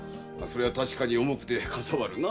確かに重くてかさばるな。